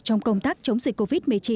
trong công tác chống dịch covid một mươi chín